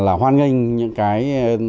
là hoan nghênh những cái